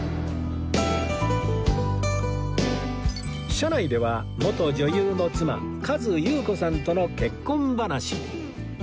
車内では元女優の妻和由布子さんとの結婚話に